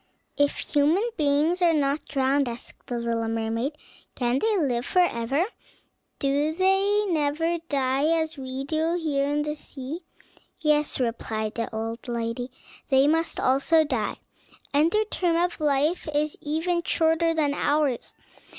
"If human beings are not drowned," asked the little mermaid, "can they live forever? do they never die as we do here in the sea?" "Yes," replied the old lady, "they must also die, and their term of life is even shorter than ours.